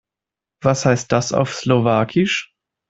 Was heißt das auf Slowakisch?